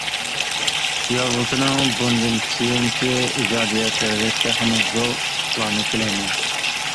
يازغۇچىنىڭ بۇندىن كېيىنكى ئىجادىيەتلىرىگە تېخىمۇ زور ئۇتۇقلارنى تىلەيمەن.